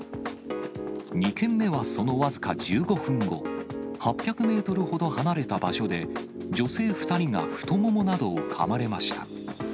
２件目はその僅か１５分後、８００メートルほど離れた場所で、女性２人が太ももなどをかまれました。